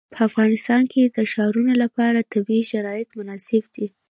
په افغانستان کې د ښارونه لپاره طبیعي شرایط مناسب دي.